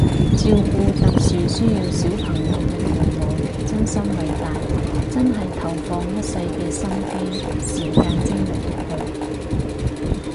照顧特殊需要小朋友嘅父母真心偉大，真係投放一世嘅心機時間精力落去